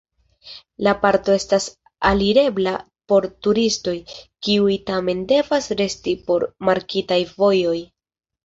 La parko estas alirebla por turistoj, kiuj tamen devas resti sur markitaj vojoj.